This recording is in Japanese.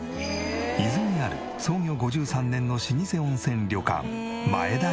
伊豆にある創業５３年の老舗温泉旅館。